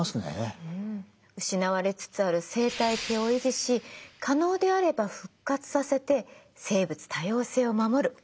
失われつつある生態系を維持し可能であれば復活させて生物多様性を守る。